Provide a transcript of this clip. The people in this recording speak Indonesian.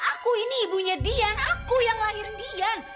aku ini ibunya dian aku yang lahir dian